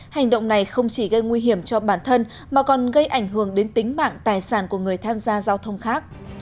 hành động này không chỉ gây nguy hiểm cho bản thân mà còn gây ảnh hưởng đến tính mạng tài sản của người tham gia giao thông khác